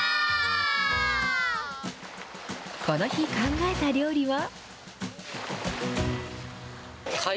この日、考えた料理は。